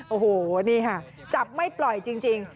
โอ้โหนี่ค่ะจับไม่ปล่อยจริง